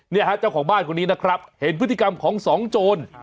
เนี่ยฮะเจ้าของบ้านคนนี้นะครับเห็นพฤติกรรมของสองโจร